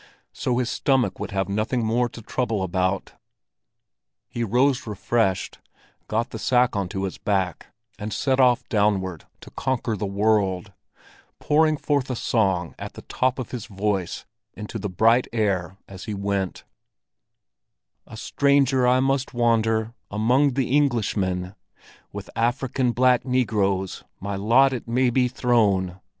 So his stomach would have nothing more to trouble about! He rose refreshed, got the sack onto his back, and set off downward to conquer the world, pouring forth a song at the top of his voice into the bright air as he went:— "A stranger I must wander Among the Englishmen; With African black negroes My lot it may be thrown.